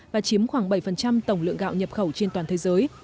và chiếm khoảng bảy tổng lượng gạo nhập khẩu trên toàn thế giới